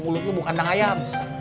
mulut lu bukan dang ayam